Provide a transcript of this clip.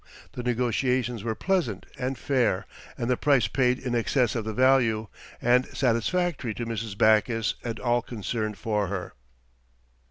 The negotiations were pleasant and fair, and the price paid in excess of the value, and satisfactory to Mrs. Backus and all concerned for her."